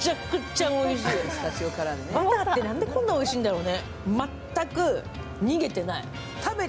バターって何でこんなおいしいんだろうね。